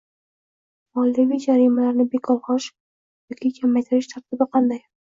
moliyaviy jarimalarni bekor qilish yoki kamaytirish tartibi qanday?